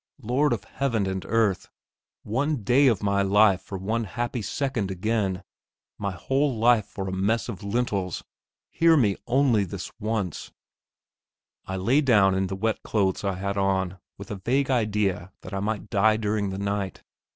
Lord of Heaven and Earth! one day of my life for one happy second again! My whole life for a mess of lentils! Hear me only this once!... I lay down in the wet clothes I had on, with a vague idea that I might die during the night.